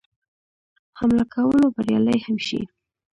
حمله کولو بریالی هم شي.